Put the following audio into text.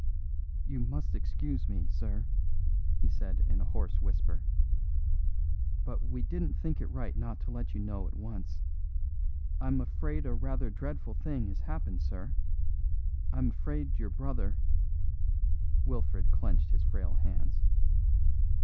"You must excuse me, sir," he said in a hoarse whisper, "but we didn't think it right not to let you know at once. I'm afraid a rather dreadful thing has happened, sir. I'm afraid your brother " Wilfred clenched his frail hands.